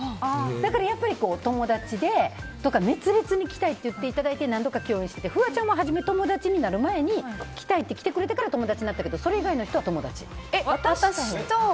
だから友達とか熱烈に来たいって言っていただいて何度か共演してフワちゃんも友達になる前に来たいって来てくれてから友達になったけどそれ以外の人は友達。